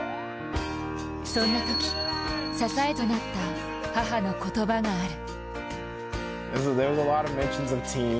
そんなとき、支えとなった母の言葉がある。